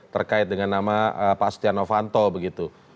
terkait dengan nama pak setia novanto begitu